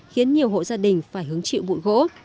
khiến nhiều hộ gia đình phải hứng chịu bụi gỗ